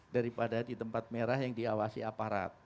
daripada di tempat merah yang diawasi aparat